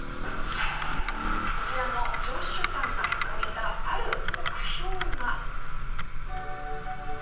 こちらのジョシュさんが掲げたある目標が。